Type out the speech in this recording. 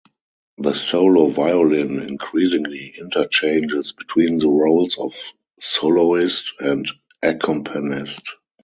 The solo violin increasingly interchanges between the roles of soloist and accompanist.